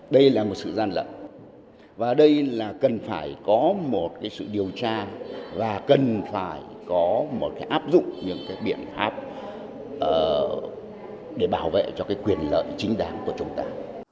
đây là một sự gian lận và đây là cần phải có một sự điều tra và cần phải có một áp dụng những cái biện pháp để bảo vệ cho quyền lợi chính đáng của chúng ta